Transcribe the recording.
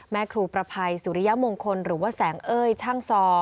แม่ครูประภัยสุริยมงคลหรือว่าแสงเอ้ยช่างซอ